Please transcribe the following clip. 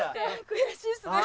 悔しいですね。